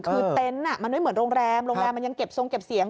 คือเต็นต์มันไม่เหมือนโรงแรมโรงแรมมันยังเก็บทรงเก็บเสียง